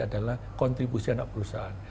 adalah kontribusi anak perusahaan